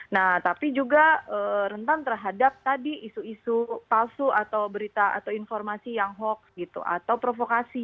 nah tapi juga rentan terhadap tadi isu isu palsu atau berita atau informasi yang hoax gitu atau provokasi